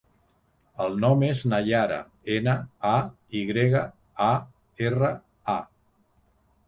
El nom és Nayara: ena, a, i grega, a, erra, a.